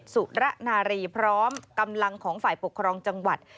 สุระนารีพร้อมกำลังของฝ่ายปกครองจังหวัด